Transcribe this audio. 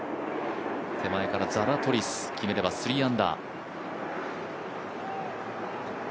手前からザラトリス、決めれば３アンダー。